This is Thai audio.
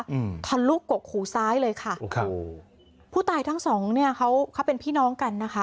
อืมทะลุกกหูซ้ายเลยค่ะโอ้โหผู้ตายทั้งสองเนี้ยเขาเขาเป็นพี่น้องกันนะคะ